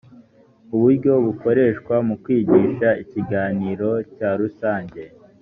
uburyo bukoreshwa mu kwigisha ikiganiro cya rusange